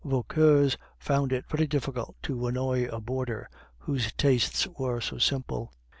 Vauquer found it very difficult to annoy a boarder whose tastes were so simple.